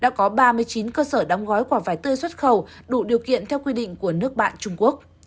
đã có ba mươi chín cơ sở đóng gói quả vải tươi xuất khẩu đủ điều kiện theo quy định của nước bạn trung quốc